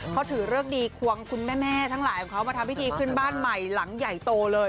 เค้าถือเริกดีคว้องคุณแม่ทั้งหลายมาทำวิธีขึ้นบ้านใหม่หลังใหญ่โต